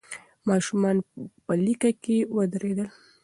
ماشومان په لیکه کې ودرېدل.